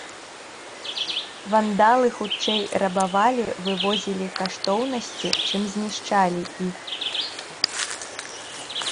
Вандалы хутчэй рабавалі і вывозілі каштоўнасці, чым знішчалі іх.